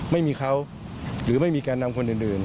ไม่มีเขาหรือไม่มีแก่นำคนอื่น